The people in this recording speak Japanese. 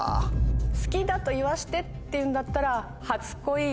好きだとイワシてって言うんだったら。